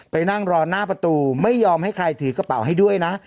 ไปนั่งรอหน้าประตูไม่ยอมให้ใครถือกระเป๋าให้ด้วยนะ